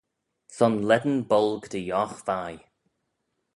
Son lane bolg dy yough vie.